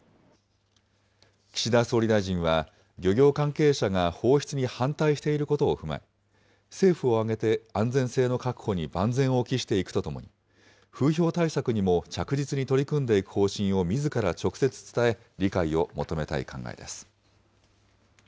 岸田総理大臣は漁業関係者が放出に反対していることを踏まえ、政府を挙げて安全性の確保に万全を期していくとともに、風評対策にも着実に取り組んでいく方針をみずから直接伝え、理解を求めたい考えです。